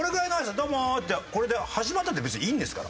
「どうも」ってこれで始まったって別にいいんですから。